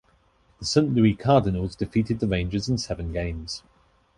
The Saint Louis Cardinals defeated the Rangers in seven games.